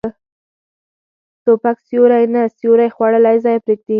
توپک سیوری نه، سیوری خوړلی ځای پرېږدي.